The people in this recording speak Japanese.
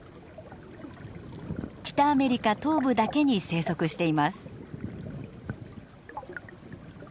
北アメリカ東部だけに生息しています。